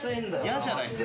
嫌じゃないっすか？